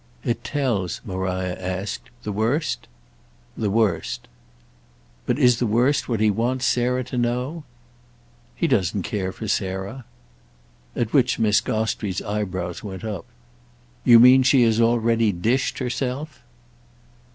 "It tells," Maria asked, "the worst?" "The worst." "But is the worst what he wants Sarah to know?" "He doesn't care for Sarah." At which Miss Gostrey's eyebrows went up. "You mean she has already dished herself?"